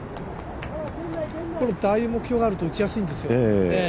目標があると打ちやすいんですよ。